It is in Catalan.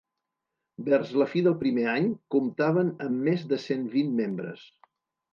Vers la fi del primer any, comptaven amb més de cent vint membres.